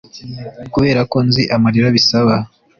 kuberako nzi amarira bisaba